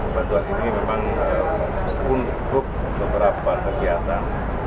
bantuan ini memang untuk beberapa kegiatan